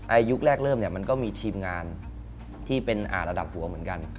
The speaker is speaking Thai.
ยุคแรกเริ่มเนี่ยมันก็มีทีมงานที่เป็นระดับหัวเหมือนกัน